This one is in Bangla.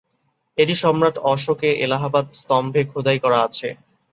এটি সম্রাট অশোকের এলাহাবাদ স্তম্ভে খোদাই করা আছে।